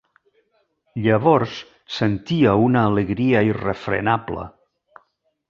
Llavors sentia una alegria irrefrenable.